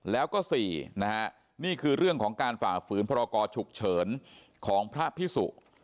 แล้วก็๔นะฮะนี่คือเรื่องของการฝ่าฝืนพรกรฉุกเฉินของพระพิสุ